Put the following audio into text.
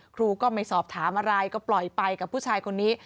ครูก็ไม่สอบถามอะไรก็ปล่อยไปกับผู้ชายคนนี้